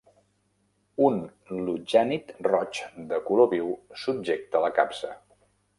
Un lutjànid roig de color viu subjecta la capsa.